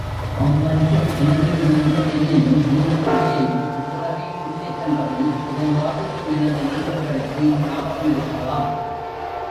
அவ்வருஷம் எனதுயிர் நண்பர் என்னையும், எங்கள் சபையையும் இவ்வுலகையும் விட்டுச் சென்றதும், இதை வாசிக்கும் எனது நண்பர்களுக்கு ஞாபகமிருக்கலாம்.